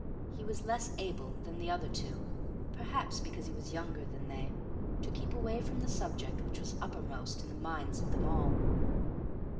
He was less able than the other two, perhaps because he was younger than they, to keep away from the subject which was uppermost in the minds of them all.